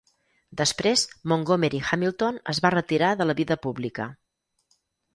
Després, Montgomery Hamilton es va retirar de la vida pública.